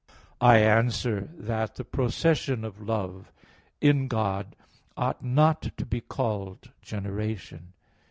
I answer that, The procession of love in God ought not to be called generation.